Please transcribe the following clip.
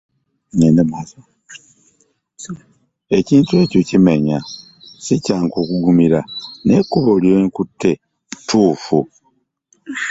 Ekintu ekyo kimenya , sikyangu kugumira naye ekkubo lyenkutte ttuufu .